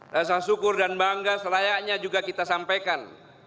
rasa syukur dan bangga selayaknya juga kita sampaikan